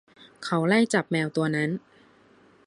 เขาไล่จับแมวตัวนั้น